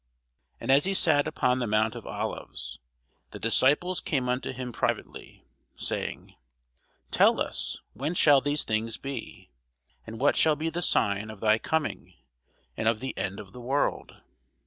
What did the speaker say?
And as he sat upon the mount of Olives, the disciples came unto him privately, saying, Tell us, when shall these things be? and what shall be the sign of thy coming, and of the end of the world?